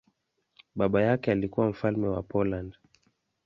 Baba yake alikuwa mfalme wa Poland.